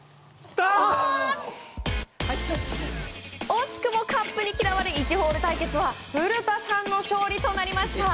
惜しくもカップに嫌われ１ホール対決は古田さんの勝利となりました。